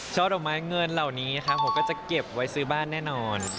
ดอกไม้เงินเหล่านี้ครับผมก็จะเก็บไว้ซื้อบ้านแน่นอน